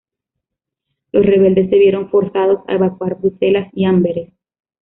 Los rebeldes se vieron forzados a evacuar Bruselas y Amberes.